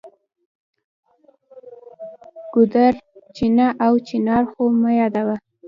ګودر، چینه او چنار خو مه یادوه.